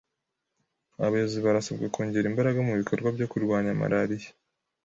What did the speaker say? Abayobozi barasabwa kongera imbaraga mu bikorwa byo kurwanya Malariya